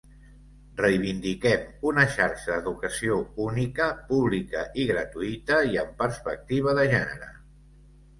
Reivindiquem una xarxa d’educació única, pública i gratuïta i amb perspectiva de gènere.